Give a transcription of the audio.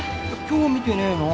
今日は見てねえな。